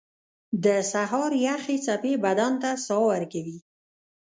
• د سهار یخې څپې بدن ته ساه ورکوي.